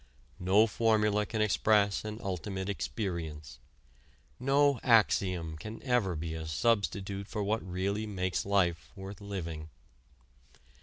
No formula can express an ultimate experience; no axiom can ever be a substitute for what really makes life worth living.